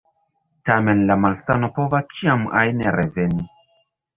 Tamen la malsano povas ĉiam ajn reveni.